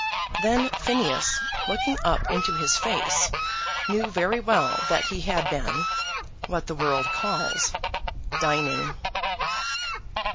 Then Phineas, looking up into his face, knew very well that he had been what the world calls, dining.